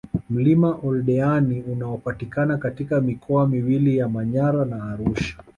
Mlima Oldeani unaopatikana katika mikoa miwili ya Manyara na Arusha